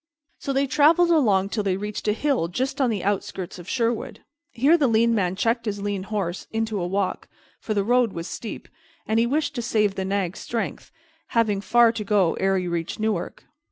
So they traveled along till they reached a hill just on the outskirts of Sherwood. Here the lean man checked his lean horse into a walk, for the road was steep, and he wished to save his nag's strength, having far to go ere he reached Newark.